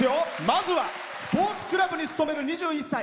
まずはスポーツクラブに勤める２１歳。